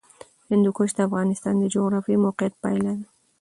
هندوکش د افغانستان د جغرافیایي موقیعت پایله ده.